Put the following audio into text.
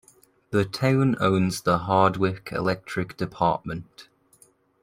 The town owns the Hardwick Electric Department.